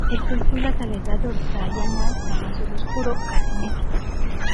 El cuerpo y las aletas dorsal y anal son azul oscuro, casi negro.